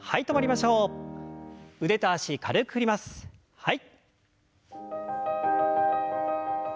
はい。